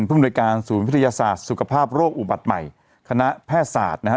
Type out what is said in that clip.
ผู้บริการศูนย์พิทยาศาสตร์สุขภาพโรคอุบัติใหม่คณะแพทย์ศาสตร์นะครับ